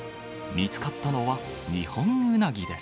見つかったのは、ニホンウナギです。